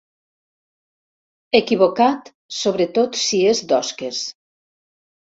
Equivocat, sobretot si és d'osques.